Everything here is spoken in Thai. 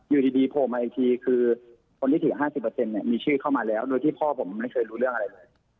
อยู่ดีโผล่มาอีกทีคือคนที่ถือ๕๐เนี่ยมีชื่อเข้ามาแล้วโดยที่พ่อผมไม่เคยรู้เรื่องอะไรเลย